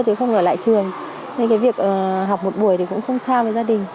chứ không ở lại trường nên cái việc học một buổi thì cũng không xa với gia đình